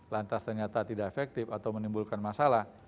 lantas ternyata tidak efektif atau menimbulkan masalah